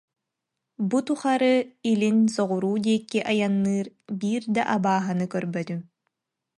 Бу тухары илин, соҕуруу диэки айанныыр биир да абааһыны көрбөтүм